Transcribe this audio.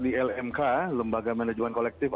di lmk lembaga manajemen kolektif